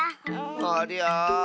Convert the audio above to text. ありゃあ。